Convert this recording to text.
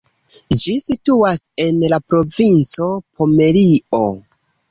Ĝi situas en la provinco Pomerio.